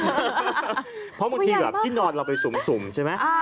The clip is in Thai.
เพราะบางทีด้านนอนเราไปสุ่มใช่มั้ย